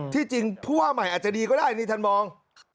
จริงผู้ว่าใหม่อาจจะดีก็ได้นี่ท่านมอง